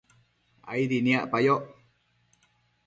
aidi niacpayoc